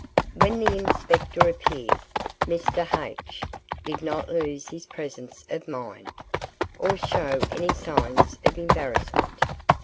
When the Inspector appeared, Mr. H. did not lose his presence of mind, or show any signs of embarrassment.